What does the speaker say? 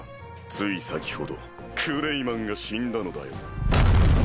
つい先ほどクレイマンが死んだのだよ。